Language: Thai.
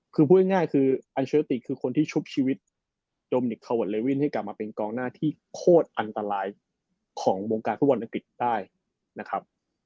คือพูดง่ายคืออัลเชอร์ติคือคนที่ชุบชีวิตโจมนิกคาเวิร์ดเลวินให้กลับมาเป็นกองหน้าที่โคตรอันตรายของวงการฟุตบอลอังกฤษได้นะครับ